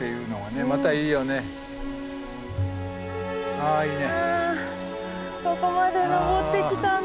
あいいね。